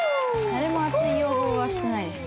誰も熱い要望はしてないです。